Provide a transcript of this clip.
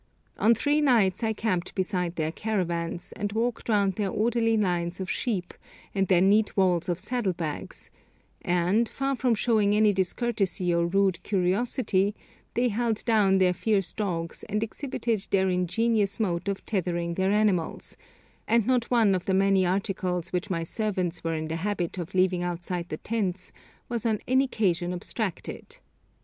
On three nights I camped beside their caravans, and walked round their orderly lines of sheep and their neat walls of saddlebags; and, far from showing any discourtesy or rude curiosity, they held down their fierce dogs and exhibited their ingenious mode of tethering their animals, and not one of the many articles which my servants were in the habit of leaving outside the tents was on any occasion abstracted.